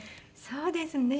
そうですね。